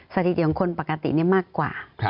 สถิติของคนปกติมากกว่า